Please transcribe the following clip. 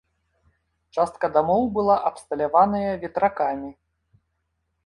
Частка дамоў была абсталяваная ветракамі.